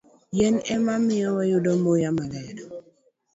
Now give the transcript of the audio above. Yien ema miyo wayudo muya maler.